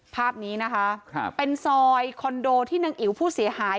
ภาพนี้นะคะครับเป็นซอยคอนโดที่นางอิ๋วผู้เสียหาย